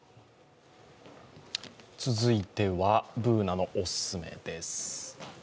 続いては「Ｂｏｏｎａのおすすめ」です